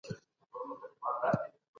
ما تېر کال په یوه فابریکه کي کار کاوه.